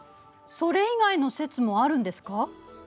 それ以外の説もあるんですか？